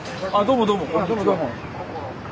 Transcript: どうもどうも。